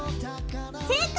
正解！